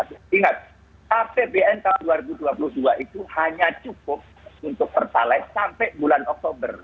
ingat apbn tahun dua ribu dua puluh dua itu hanya cukup untuk pertalite sampai bulan oktober